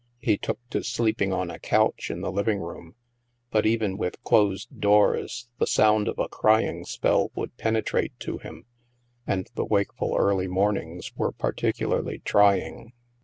He took to sleeping on a couch in the living room; but even with closed doors, the sound of a crying spell would penetrate to him, and the wakeful early mornings were particularly trying.